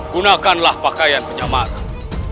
gunakanlah pakaian penyamaran